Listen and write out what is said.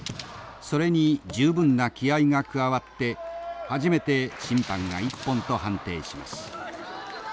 それに十分な気合いが加わって初めて審判が一本と判定します。